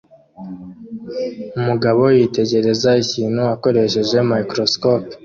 Umugabo yitegereza ikintu akoresheje microscope